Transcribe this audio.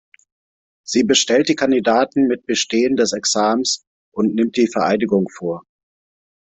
Sie bestellt die Kandidaten mit Bestehen des Examens und nimmt die Vereidigung vor.